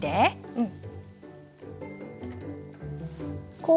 うん。